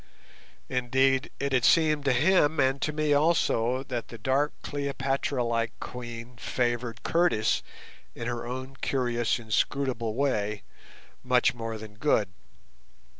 Indeed, it had seemed to him and to me also that the dark Cleopatra like queen favoured Curtis in her own curious inscrutable way much more than Good.